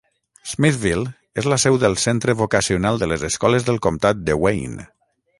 Smithville és la seu del centre vocacional de les escoles del comtat de Wayne.